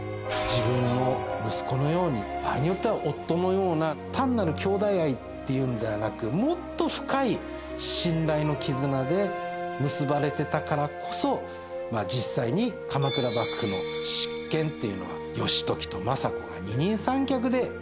自分の息子のように場合によっては夫のような単なる姉弟愛っていうのではなくもっと深い信頼の絆で結ばれていたからこそ実際に鎌倉幕府の執権っていうのは義時と政子が二人三脚で行えたんではないか。